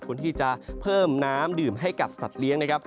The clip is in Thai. คนที่จะเพิ่มน้ำดื่มให้กับสัตว์เลี้ยงนะครับ